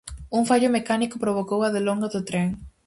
Un fallo mecánico provocou a delonga do tren.